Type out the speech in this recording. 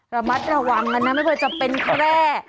ระมัดระวังกันนะไม่ว่าจะเป็นแคร่